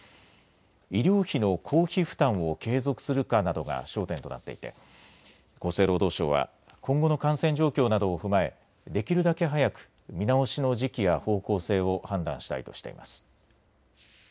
医療費の公費負担を継続するかなどが焦点となっていて厚生労働省は今後の感染状況などを踏まえ、できるだけ早く見直しの時期や方向性を判断したいとしています。